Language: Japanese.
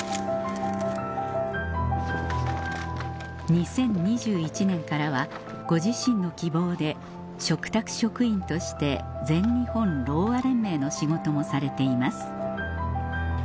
２０２１年からはご自身の希望で嘱託職員として全日本ろうあ連盟の仕事もされています